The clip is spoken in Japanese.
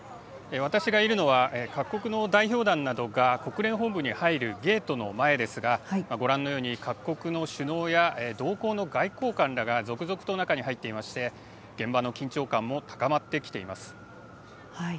私がいるのは各国の代表団などが国連本部に入るゲートの前ですがご覧のように各国の首脳や同行の外交官らが続々と中に入っていまして現場の緊張感も高まってきています。